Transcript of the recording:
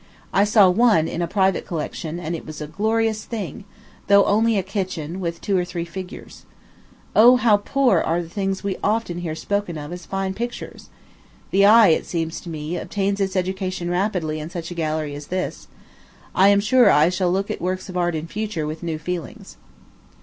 I saw one in a private collection, and it was a glorious thing, though only a Kitchen, with two or three figures. O, how poor are the things we often hear spoken of as fine pictures! The eye, it seems to me, obtains its education rapidly in such a gallery as this. I am sure I shall look at works of art in future with new feelings.